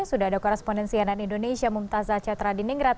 sudah ada korespondensi yang dan indonesia mumtazah cetra di ningrat